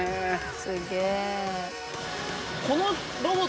「すげえ」